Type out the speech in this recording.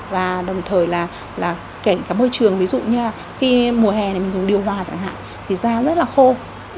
và đồng thời là kể cả môi trường ví dụ như là khi mùa hè này mình dùng điều hòa chẳng hạn thì da rất là khô